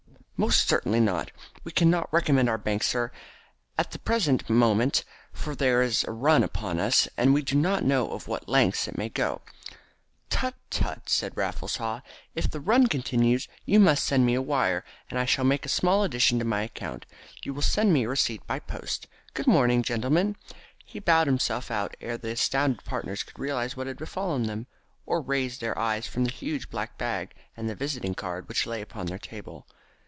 "Most certainly not. We cannot recommend our bank, sir, at the present moment, for there is a run upon us, and we do not know to what lengths it may go." "Tut! tut!" said Raffles Haw. "If the run continues you must send me a wire, and I shall make a small addition to my account. You will send me a receipt by post. Good morning, gentlemen!" He bowed himself out ere the astounded partners could realise what had befallen them, or raise their eyes from the huge black bag and the visiting card which lay upon their table.